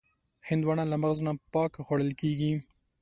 هندوانه له مغز نه پاکه خوړل کېږي.